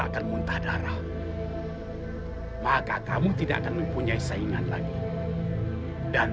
kalau rambutnya panjang weh